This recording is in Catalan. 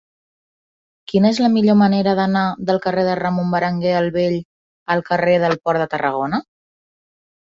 Quina és la millor manera d'anar del carrer de Ramon Berenguer el Vell al carrer del Port de Tarragona?